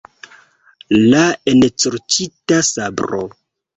La ensorĉita sabro.